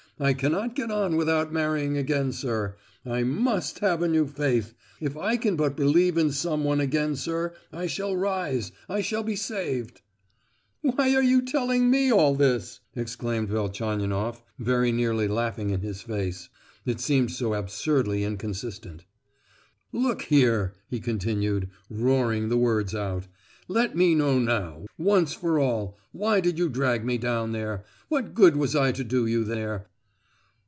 I cannot get on without marrying again, sir; I must have a new faith. If I can but believe in some one again, sir, I shall rise—I shall be saved." "Why are you telling me all this?" exclaimed Velchaninoff, very nearly laughing in his face; it seemed so absurdly inconsistent. "Look here," he continued, roaring the words out, "let me know now, once for all, why did you drag me down there? what good was I to do you there?"